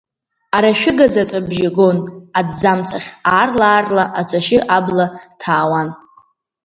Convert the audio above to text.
Арашәыгазаҵәабжьы гон аҭӡамцахь, аарла-аарла ацәашьы абла ҭаауан.